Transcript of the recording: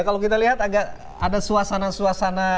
kalau kita lihat agak ada suasana suasana